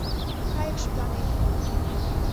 Кайык шыпланен.